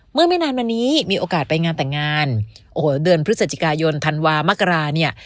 ไม่นานมานี้มีโอกาสไปงานแต่งงานโอ้โหเดือนพฤศจิกายนธันวามกราเนี่ย